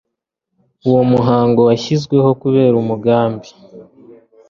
Uwo muhango washyizweho kubera umugambi.